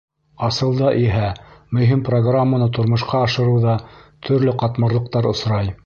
Асылда иһә мөһим программаны тормошҡа ашырыуҙа төрлө ҡатмарлыҡтар осрай.